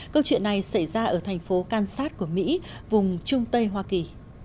câu chuyện này xảy ra ở thành phố kansat của mỹ vùng trung tây hoa kỳ